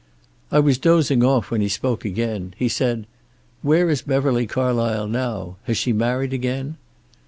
I was dozing off when he spoke again. He said, 'Where is Beverly Carlysle now? Has she married again?'